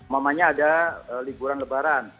namanya ada liburan lebaran